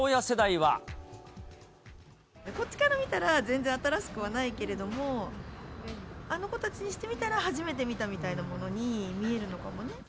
こっちから見たら、全然新しくはないけれども、あの子たちにしてみたら、初めて見たみたいなものに見えるのかもね。